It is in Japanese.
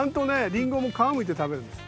リンゴも皮むいて食べるんです。